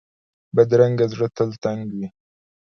بدرنګه زړه تل تنګ وي